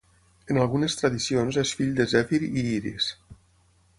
En algunes tradicions és fill de Zèfir i Iris.